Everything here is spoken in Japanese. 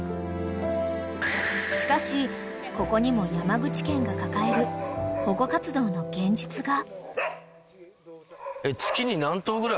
［しかしここにも山口県が抱える保護活動の現実が］